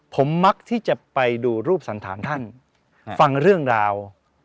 ผมมักที่จะไปดูรูปสันธารท่านฟังเรื่องราว